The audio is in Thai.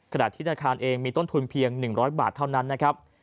ขณะที่ธนาคารเองมีต้นทุนเพียง๑๐๐บาทเท่านั้นนะครับ